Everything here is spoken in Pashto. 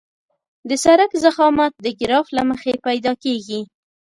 د سرک ضخامت د ګراف له مخې پیدا کیږي